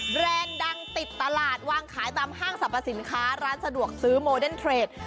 แรนด์ดังติดตลาดวางขายตามห้างสรรพสินค้าร้านสะดวกซื้อโมเดนเทรด